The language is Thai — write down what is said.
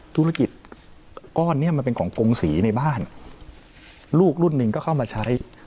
ธุรกิจก้อนเนี้ยมันเป็นของกงศรีในบ้านลูกรุ่นหนึ่งก็เข้ามาใช้